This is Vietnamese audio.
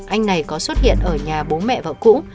anh này có xuất hiện ở nhà bố mẹ vợ cũ